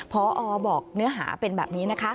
พอบอกเนื้อหาเป็นแบบนี้นะคะ